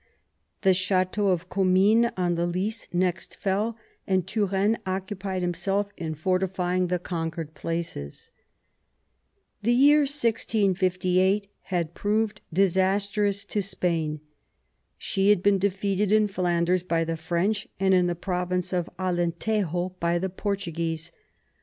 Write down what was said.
The chateau of Commines on the Lys next fell, and Turenne busied himself in fortifying the conquered places. The year 1658 had proved disastrous to Spain. She had been defeated in Flanders by the French and in the province of Alentejo by the Portuguese.